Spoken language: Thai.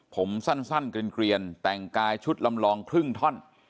ผมสั้นเกลียนแต่งกายชุดลำลองครึ่งท่อน